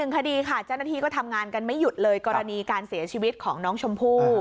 คดีค่ะเจ้าหน้าที่ก็ทำงานกันไม่หยุดเลยกรณีการเสียชีวิตของน้องชมพู่